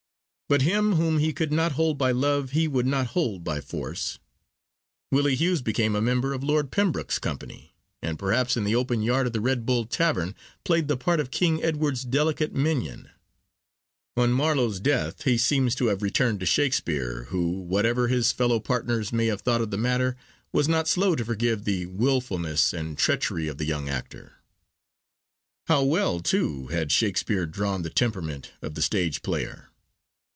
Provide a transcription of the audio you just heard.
But him whom he could not hold by love, he would not hold by force. Willie Hughes became a member of Lord Pembroke's company, and, perhaps in the open yard of the Red Bull Tavern, played the part of King Edward's delicate minion. On Marlowe's death, he seems to have returned to Shakespeare, who, whatever his fellow partners may have thought of the matter, was not slow to forgive the wilfulness and treachery of the young actor. How well, too, had Shakespeare drawn the temperament of the stage player!